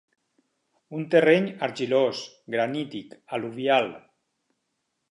Un terreny argilós, granític, al·luvial.